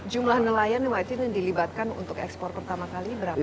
jumlah nelayan yang dilibatkan untuk ekspor pertama kali berapa